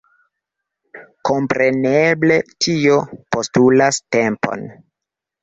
Kompreneble tio postulas tempon.